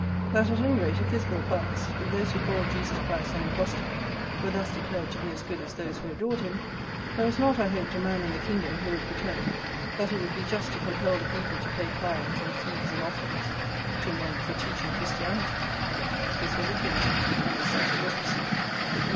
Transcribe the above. That, at any rate, if this bill passed; if those who called Jesus Christ an impostor were thus declared to be as good as those who adored him, there was not, I hoped, a man in the kingdom who would pretend, that it would be just to compel the people to pay tithes, and fees, and offerings, to men for teaching Christianity. This was a clincher; and as such it was received.